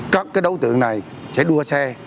các đối tượng này sẽ đua xe